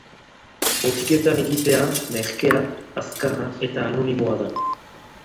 Botiketan egitea merkea, azkarra eta anomimoa da.